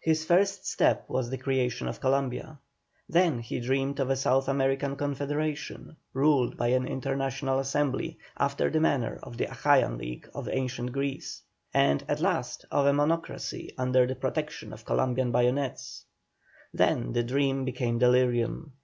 His first step was the creation of Columbia. Then he dreamed of a South American Confederation, ruled by an international assembly, after the manner of the Achaian League of ancient Greece; and, at last, of a monocracy under the protection of Columbian bayonets. Then the dream became delirium.